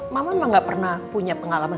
mama emang gak pernah punya pengalaman